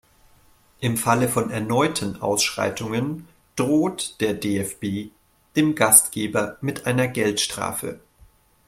Im Falle von erneuten Ausschreitungen droht der DFB dem Gastgeber mit einer Geldstrafe.